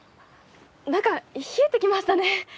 何か冷えてきましたね。